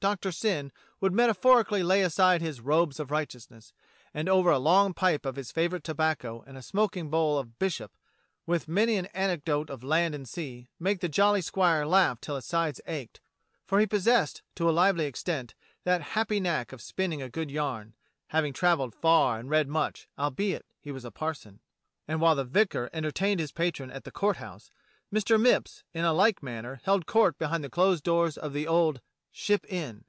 Doctor Syn would metaphorically lay aside his robes of righteousness, and over a long pipe of his favourite tobacco and a smoking bowl of bishop, with many an anecdote of land and ,sea, make the jolly squire laugh till his sides ached, for he possessed to a lively extent that happy knack of spinning a good yarn, having travelled far and read much, albeithe wasaparson. And while the vicar entertained his patron at the Court House, Mr. Mipps in a like manner held court behind the closed doors of the old "Ship Inn."